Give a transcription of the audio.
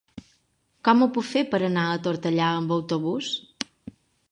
Com ho puc fer per anar a Tortellà amb autobús?